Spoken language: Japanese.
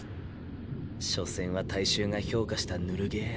所詮は大衆が評価したヌルゲー。